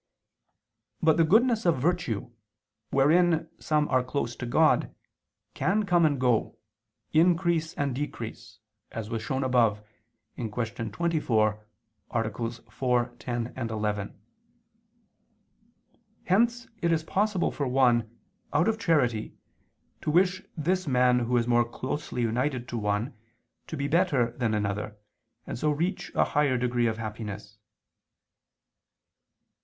But the goodness of virtue, wherein some are close to God, can come and go, increase and decrease, as was shown above (Q. 24, AA. 4, 10, 11). Hence it is possible for one, out of charity, to wish this man who is more closely united to one, to be better than another, and so reach a higher degree of happiness.